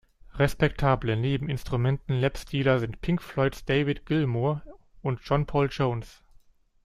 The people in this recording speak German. Respektable Nebeninstrumenten-Lapsteeler sind Pink Floyds David Gilmour und John Paul Jones.